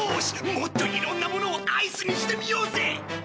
もっといろんなものをアイスにしてみようぜ。